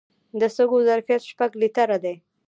د سږو ظرفیت شپږ لیټره دی.